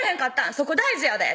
そこ大事やで！」